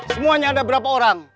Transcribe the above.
semuanya ada berapa orang